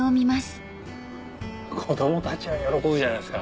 子どもたちは喜ぶんじゃないですか？